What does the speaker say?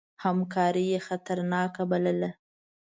همکاري یې خطرناکه بلله.